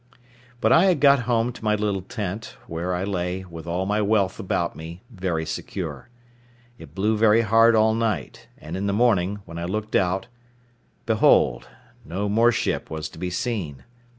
But I had got home to my little tent, where I lay, with all my wealth about me, very secure. It blew very hard all night, and in the morning, when I looked out, behold, no more ship was to be seen!